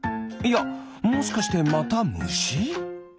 いやもしかしてまたむし？